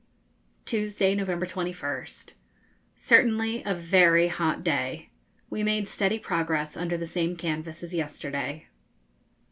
Tuesday, November 21st. Certainly a very hot day. We made steady progress under the same canvas as yesterday.